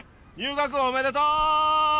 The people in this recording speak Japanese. にゅうがくおめでとう！